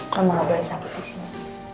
kamu gak boleh sakit di sini